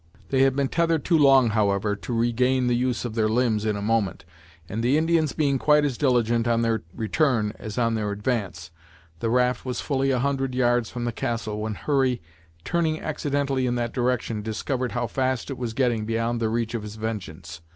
They had been tethered too long, however, to regain the use of their limbs in a moment, and the Indians being quite as diligent on their return as on their advance, the raft was fully a hundred yards from the castle when Hurry, turning accidentally in that direction, discovered how fast it was getting beyond the reach of his vengeance.